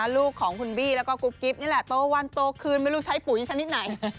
ลูกของคุณบี้แล้วก็กุ๊บกิ๊บนี่แหละโตวันโตคืนไม่รู้ใช้ปุ๋ยชนิดไหน